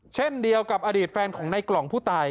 เช่นเดียวกับอดีตแฟนของในกล่องผู้ตาย